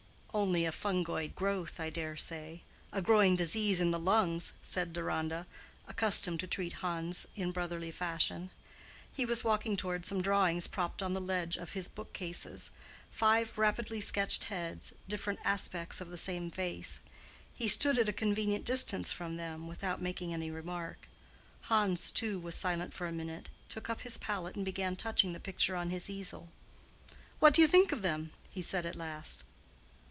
"Only a fungoid growth, I dare say—a growing disease in the lungs," said Deronda, accustomed to treat Hans in brotherly fashion. He was walking toward some drawings propped on the ledge of his bookcases; five rapidly sketched heads—different aspects of the same face. He stood at a convenient distance from them, without making any remark. Hans, too, was silent for a minute, took up his palette and began touching the picture on his easel. "What do you think of them?" he said at last.